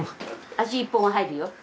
足１本は入るよ。